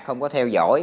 không có theo dõi